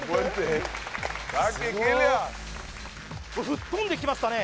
吹っ飛んできましたね